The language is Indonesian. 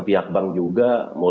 pihak bank juga mulai